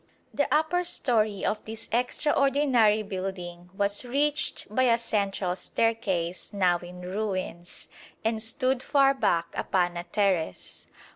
The upper storey of this extraordinary building was reached by a central staircase now in ruins, and stood far back upon a terrace.